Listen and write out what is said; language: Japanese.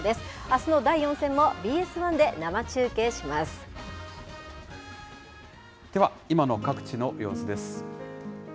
あすの第４戦もＢＳ１で生中継しでは、今の各地の様子です。